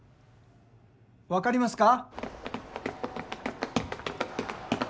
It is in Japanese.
分かりますか？